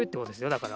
だから。